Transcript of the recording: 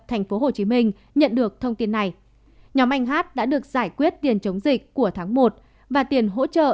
tp hcm nhận được thông tin này nhóm anh hát đã được giải quyết tiền chống dịch của tháng một và tiền hỗ trợ